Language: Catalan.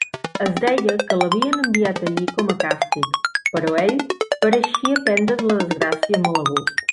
Es deia que l'havien enviat allí com a càstig, però ell pareixia prendre's la desgràcia molt a gust.